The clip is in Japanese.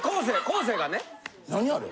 ・何あれ？